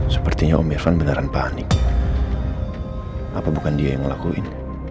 sepertinya om evan beneran panik apa bukan dia yang ngelakuin